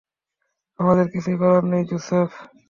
আমাদের কিছুই করার নেই, জোসেফ।